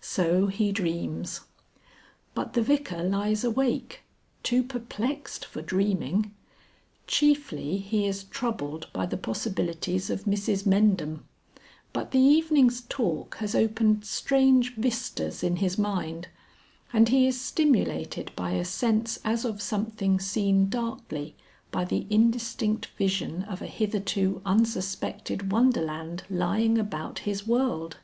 So he dreams. But the Vicar lies awake, too perplexed for dreaming. Chiefly he is troubled by the possibilities of Mrs Mendham; but the evening's talk has opened strange vistas in his mind, and he is stimulated by a sense as of something seen darkly by the indistinct vision of a hitherto unsuspected wonderland lying about his world.